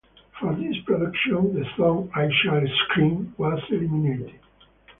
For this production, the song "I Shall Scream" was eliminated.